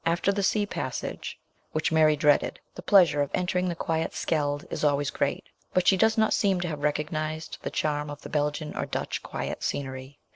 After the sea passage, which Mary dreaded, the pleasure of entering the quiet Scheldt is always great ; but she does not seem to have recognised the charm of the Belgian or Dutch quiet scenery.